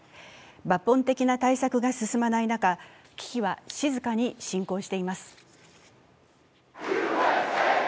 抜本的な対策が進まない中、危機は静かに進行しています。